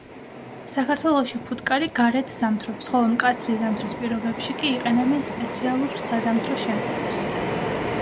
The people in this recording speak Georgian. საქართველოში ფუტკარი გარეთ ზამთრობს, ხოლო მკაცრი ზამთრის პირობებში კი იყენებენ სპეციალურ საზამთრო შენობებს.